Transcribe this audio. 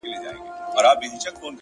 هره ورځ انتظار’ هره شپه انتظار’